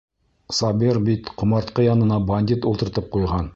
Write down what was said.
Сабир бит ҡомартҡы янына бандит ултыртып ҡуйған!